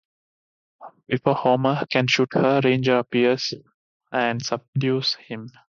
Before Homer can shoot her, Ranger appears and subdues him.